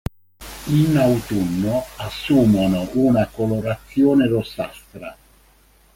In autunno assumono una colorazione rossastra.